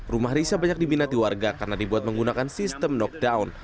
rumah risa banyak diminati warga karena dibuat menggunakan sistem knockdown